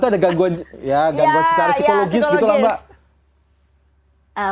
atau ada gangguan secara psikologis gitu lah mbak